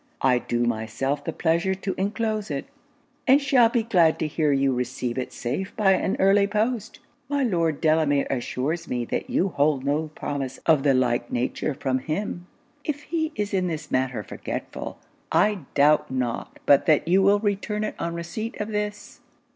I do myself the pleasure to enclose it, and shall be glad to hear you receive it safe by an early post. My Lord Delamere assures me that you hold no promise of the like nature from him. If he is in this matter forgetful, I doubt not but that you will return it on receipt of this.